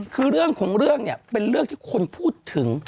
คือเรื่องของเรื่องเนี่ยเป็นเรื่องที่คนพูดถึง